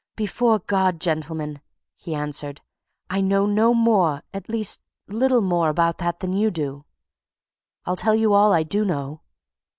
"Before God, gentlemen!" he answered. "I know no more at least, little more about that than you do! I'll tell you all I do know.